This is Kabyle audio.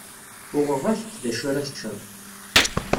Uɣeɣ-ak-d d acu ara teččeḍ.